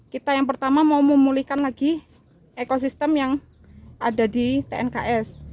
kita yang pertama mau memulihkan lagi ekosistem yang ada di tnks